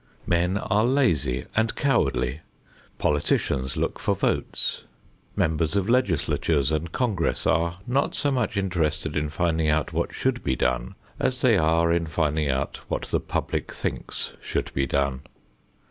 Men are lazy and cowardly; politicians look for votes; members of legislatures and Congress are not so much interested in finding out what should be done, as they are in finding out what the public thinks should be done.